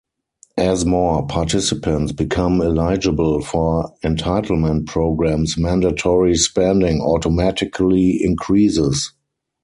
As more participants become eligible for entitlement programs, mandatory spending automatically increases.